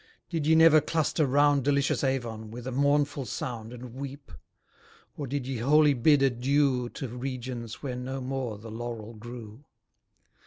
Did ye never cluster round Delicious Avon, with a mournful sound, And weep? Or did ye wholly bid adieu To regions where no more the laurel grew?